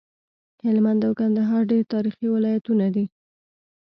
هلمند او کندهار ډير تاريخي ولايتونه دي